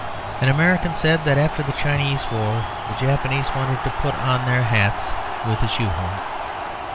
An American said that after the Chinese War the Japanese wanted 'to put on their hats with a shoe horn.'